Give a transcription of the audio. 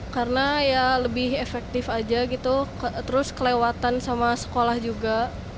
karena ya lebih efektif aja gitu terus kelewatan sama sekolah juga